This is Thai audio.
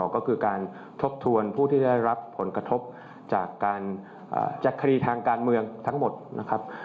ก็คือการทบทวนผู้ที่ได้รับผลกระทบจากการจักคดีทางการเมืองทั้งหมดนะครับ